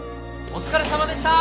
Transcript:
お疲れさまでした！